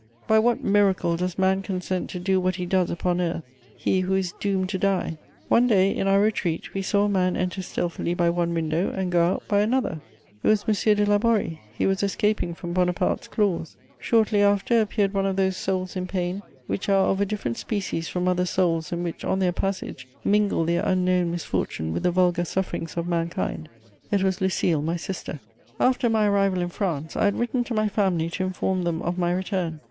By what miracle does man consent to do what he does upon earth, he who is doomed to die? One day, in our retreat, we saw a man enter stealthily by one window and go out by another: it was M. de Laborie; he was escaping from Bonaparte's claws. Shortly after appeared one of those souls in pain which are of a different species from other souls and which, on their passage, mingle their unknown misfortune with the vulgar sufferings of mankind: it was Lucile, my sister. [Sidenote: I meet my sisters.] After my arrival in France, I had written to my family to inform them of my return.